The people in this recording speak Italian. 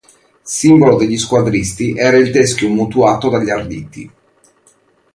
Simbolo degli squadristi era il teschio mutuato dagli arditi.